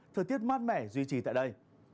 thời tiết mát mẻ duy trì tại đây